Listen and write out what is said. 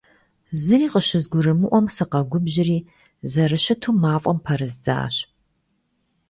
Зыри къыщызгурымыӀуэм сыкъэгубжьри, зэрыщыту мафӀэм пэрыздзащ.